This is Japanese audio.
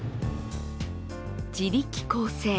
自力更生。